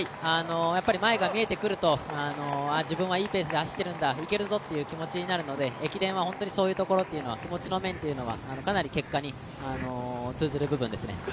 前が見えてくると、自分はいいペースで走っているんだいけるぞという気持ちになるので、駅伝はそういう気持ちの面はかなり結果に通ずる部分ですね。